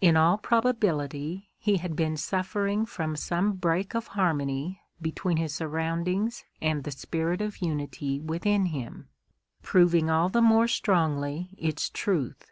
In all probability he had been suffering from some break of harmony between his surroundings and the spirit of unity within him, proving all the more strongly its truth.